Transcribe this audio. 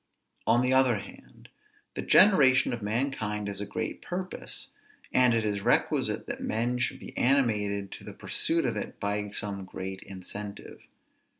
On the other hand, the generation of mankind is a great purpose, and it is requisite that men should be animated to the pursuit of it by some great incentive.